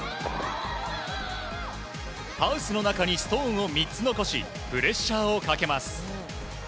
ハウスの中にストーンを３つ残しプレッシャーをかけます。